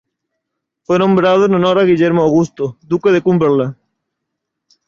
Fue nombrado en honor a Guillermo Augusto, duque de Cumberland.